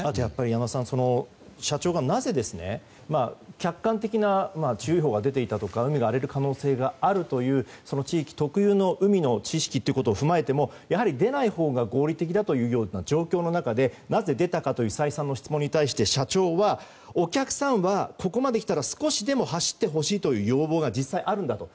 山田さん、社長がなぜ客観的な注意報が出ていたとか海が荒れる可能性があるというその地域特有の海の知識を踏まえてもやはり出ないほうが合理的だという状況の中でなぜ出たかという再三の質問に対して社長は、お客さんはここまで来たら少しでも走ってほしいという要望が実際、あるんだと。